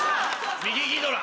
右ギドラ。